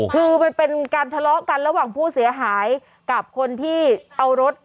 คือมันเป็นการทะเลาะกันระหว่างผู้เสียหายกับคนที่เอารถ